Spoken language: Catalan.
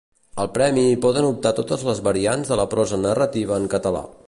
Al premi hi poden optar totes les variants de la prosa narrativa en català.